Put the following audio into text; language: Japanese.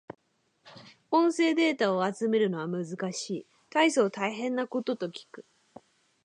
音声データを集めるのは難しい。大層大変なことと聞く。